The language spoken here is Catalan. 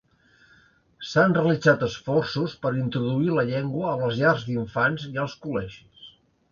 S'han realitzat esforços per introduir la llengua a les llars d'infants i als col·legis.